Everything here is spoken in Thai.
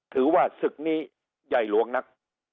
ถือว่าศึกนี้ใหญ่หลวงนัก